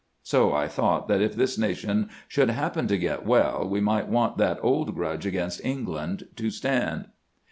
So I thought that if this nation should happen to get well we might want that old grudge against England to stand."